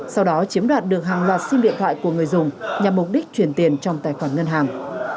sau đó chiếm đoạt được hàng loạt sim điện thoại của người dùng nhằm mục đích chuyển tiền trong tài khoản ngân hàng